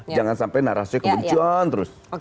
jangan sampai narasinya kebencian terus